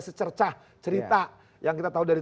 secercah cerita yang kita tahu dari